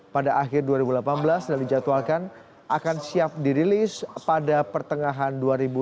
pada akhir dua ribu delapan belas dan dijadwalkan akan siap dirilis pada pertengahan dua ribu delapan belas